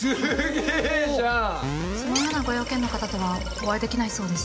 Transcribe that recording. そのようなご用件の方とはお会いできないそうです